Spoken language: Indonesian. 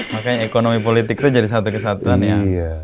makanya ekonomi politik itu jadi satu kesatuan yang